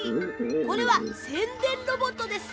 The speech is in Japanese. これはせんでんロボットです。